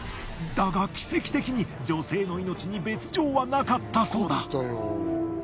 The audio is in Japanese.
だが奇跡的に女性の命に別状はなかったそうだ。